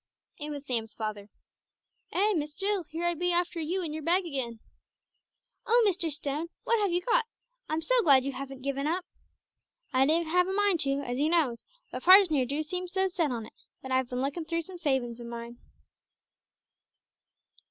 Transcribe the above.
It was Sam's father. "Eh, Miss Jill, here I be after you and your bag agen!" "Oh, Mr. Stone, what have you got? I'm so glad you haven't given up!" "I did have a mind to, as 'ee knows, but parson here do seem so set on it that I've been lookin' through some savin's o' mine."